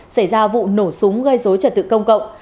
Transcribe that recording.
xảy ra vụ nổ súng gây dối trật tự công cộng